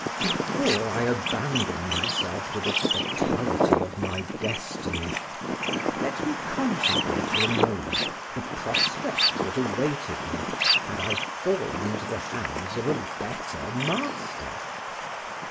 Before I abandon myself to the fatality of my destiny, let me contemplate for a moment the prospect that awaited me had I fallen into the hands of a better master.